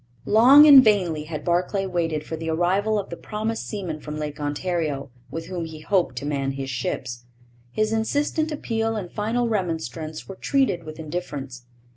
Long and vainly had Barclay waited for the arrival of the promised seamen from Lake Ontario, with whom he hoped to man his ships. His insistent appeal and final remonstrance were treated with indifference.